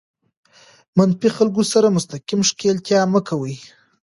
د منفي خلکو سره مستقیم ښکېلتیا مه کوئ.